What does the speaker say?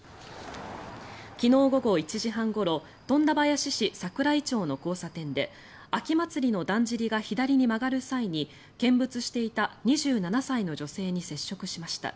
昨日午後１時半ごろ富田林市桜井町の交差点で秋祭りのだんじりが左に曲がる際に見物していた２７歳の女性に接触しました。